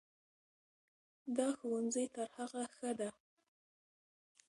دا ښوونځی تر هغه ښه ده.